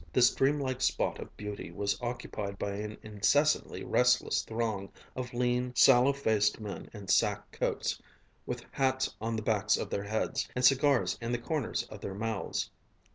This dreamlike spot of beauty was occupied by an incessantly restless throng of lean, sallow faced men in sack coats, with hats on the backs of their heads and cigars in the corners of their mouths.